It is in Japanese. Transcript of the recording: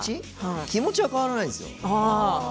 気持ちは変わらないですよ。